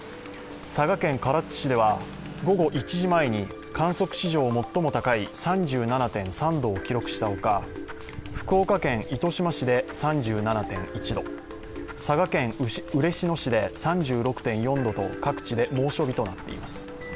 佐賀県唐津市では午後１時前に観測史上最も高い３７．３度を記録したほか、福岡県糸島市で３７．１度、佐賀県嬉野市で３６．４度と各地で猛暑日となっています。